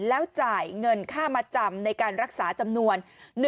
แล้วจ่ายเงินค่ามาจำในการรักษาจำนวน